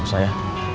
gak usah ya